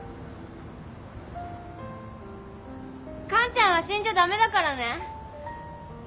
完ちゃんは死んじゃダメだからね！